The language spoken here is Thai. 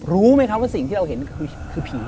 รู้ไหมครับว่าสิ่งที่เราเห็นคือผี